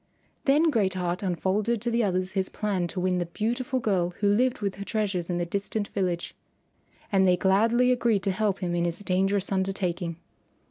Then Great Heart unfolded to the others his plan to win the beautiful girl who lived with her treasures in the distant village. And they gladly agreed to help him in his dangerous undertaking.